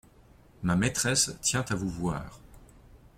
Ma maîtresse tient à vous voir.